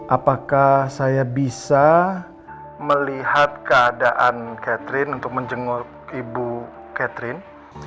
apakah saya bisa melihat keadaan catherine untuk menjenguk ibu catherine